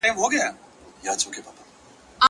تا چي انسان جوړوئ _ وينه دي له څه جوړه کړه _